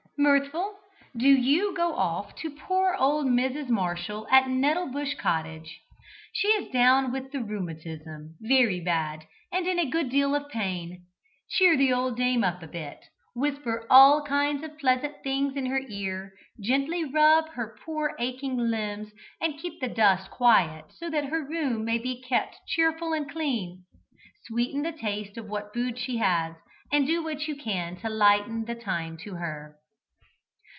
"Mirthful, do you go off to poor old Mrs. Marshall at Nettlebush Cottage. She is down with the rheumatism, very bad, and in a good deal of pain. Cheer the old dame up a bit, whisper all kinds of pleasant things in her ear, gently rub her poor aching limbs, and keep the dust quiet so that her room may be kept cheerful and clean. Sweeten the taste of what food she has, and do what you can to lighten the time to her.